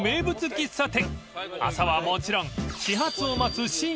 喫茶店？